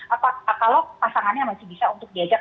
apa kalau pasangannya masih bisa untuk diajak